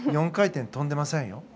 ４回転、跳んでいませんよ